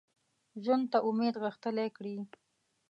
ژوند ته امید غښتلی کړي